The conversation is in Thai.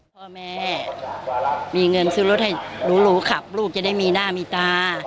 พ่อแม่มีเงินซื้อรถให้หรูขับลูกจะได้มีหน้ามีตา